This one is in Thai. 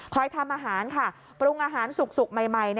ทำอาหารค่ะปรุงอาหารสุกใหม่